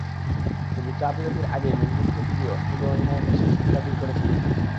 কিন্তু চা-বিরতির আগেই মেন্ডিসকে ফিরিয়ে অস্ট্রেলীয় অধিনায়কের সেই শঙ্কা দূর করেছেন তিনি।